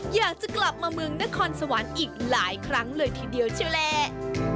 อยากจะกลับมาเมืองนครสวรรค์อีกหลายครั้งเลยทีเดียวเชียวแหละ